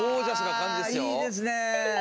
いいですね。